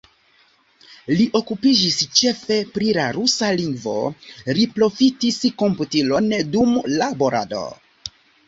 Li okupiĝis ĉefe pri la rusa lingvo, li profitis komputilon dum laborado.